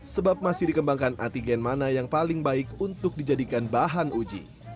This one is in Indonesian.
sebab masih dikembangkan antigen mana yang paling baik untuk dijadikan bahan uji